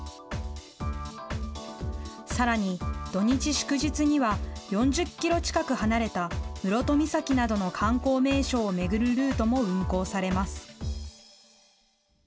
さらに、土日祝日には、４０キロ近く離れた室戸岬などの観光名所を巡るルートも運行されます。